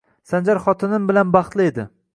Sanjar xotinin bilan baxtli edi